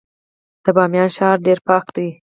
د بامیان ښار ډیر پاک دی